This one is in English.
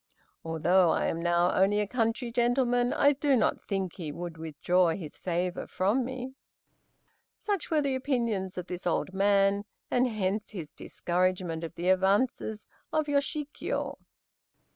Although I am now only a country gentleman, I do not think he would withdraw his favor from me." Such were the opinions of this old man, and hence his discouragement of the advances of Yoshikiyo.